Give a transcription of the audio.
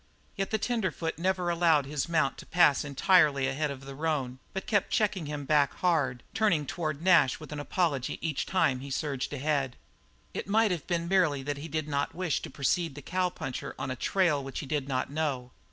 Yet the tenderfoot never allowed his mount to pass entirely ahead of the roan, but kept checking him back hard, turning toward Nash with an apology each time he surged ahead. It might have been merely that he did not wish to precede the cowpuncher on a trail which he did not know.